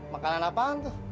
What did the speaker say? makanan apaan tuh